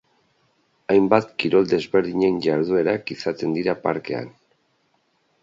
Hainbat kirol desberdinen jarduerak izaten dira parkean.